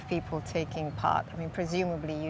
bagaimana perasaan anda